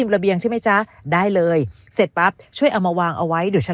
ระเบียงใช่ไหมจ๊ะได้เลยเสร็จปั๊บช่วยเอามาวางเอาไว้เดี๋ยวฉัน